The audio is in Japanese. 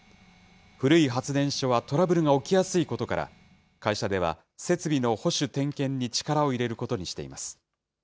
古い発電所はトラブルが起きやすいことから、会社では、設備の保守点検に力を入れることにしています。